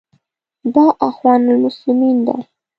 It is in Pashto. دا اخوان المسلمین ده.